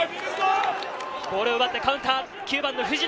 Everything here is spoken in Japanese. ボールを奪ってカウンター。